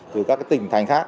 từ các tỉnh thành khác